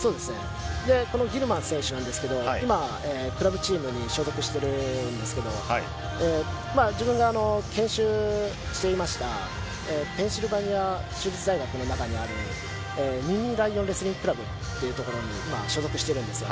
このギルマン選手なんですけれども、今、クラブチームに所属してるんですけど、自分が研修していましたペンシルベニア州立大学の中にある、レスリングクラブに今、所属してるんですよ。